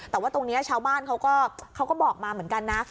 แต่ว่าตรงนี้ชาวบ้านเขาก็บอกมาเหมือนกันนะ